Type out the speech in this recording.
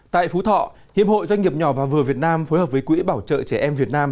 tại phú thọ hiệp hội doanh nghiệp nhỏ và vừa việt nam phối hợp với quỹ bảo trợ trẻ em việt nam